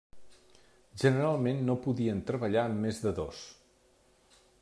Generalment no podien treballar amb més de dos.